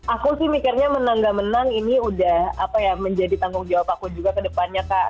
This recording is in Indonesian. aku sih mikirnya menang gak menang ini udah menjadi tanggung jawab aku juga ke depannya kak